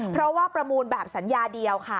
เพราะว่าประมูลแบบสัญญาเดียวค่ะ